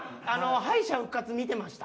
敗者復活見てました？